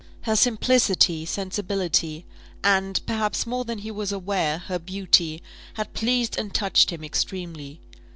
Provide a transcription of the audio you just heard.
Her simplicity, sensibility, and, perhaps more than he was aware, her beauty, had pleased and touched him extremely.